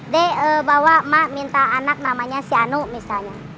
dia bawa emak minta anak namanya sianu misalnya